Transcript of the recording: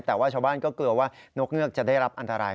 แต่ว่าชาวบ้านก็กลัวว่านกเงือกจะได้รับอันตราย